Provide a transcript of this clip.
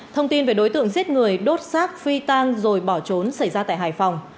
thông tin về đối tượng giết người đốt xác phi tang rồi bỏ trốn xảy ra tại hải phòng